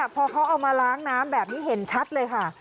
พอเขาเอามาล้างน้ำแบบนี้เห็นชัดเลยค่ะ